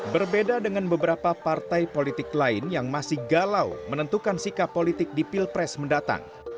berbeda dengan beberapa partai politik lain yang masih galau menentukan sikap politik di pilpres mendatang